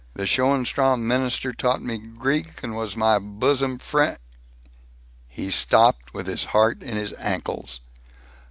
" the Schoenstrom minister taught me Greek and was my bosom frien' " He stopped with his heart in his ankles.